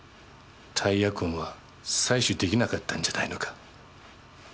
タイヤ痕は採取出来なかったんじゃないのか？